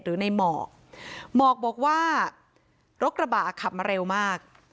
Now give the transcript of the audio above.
หรือในหมอกหมอกบอกว่ารถกระบะขับมาเร็วมาก